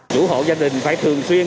chủ hộ gia đình phải thường xuyên